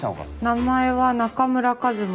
名前は中村一馬。